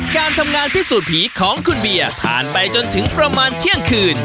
การทำงานพิสูจน์ผีของคุณเบียผ่านไปจนถึงประมาณเที่ยงคืน